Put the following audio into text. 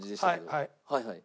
はいはい。